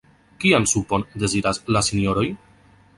Kian supon deziras la Sinjoroj?